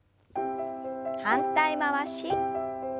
反対回し。